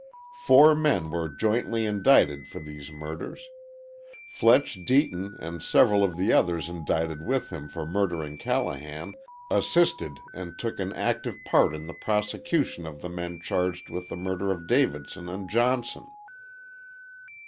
Four men were jointly indicted for these murders. Fletch Deaton and several of the others indicted with him for murdering Callahan assisted and took an active part in the prosecution of the men charged with the murder of Davidson and Johnson.